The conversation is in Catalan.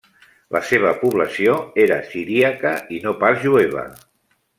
La seva població era siríaca i no pas jueva.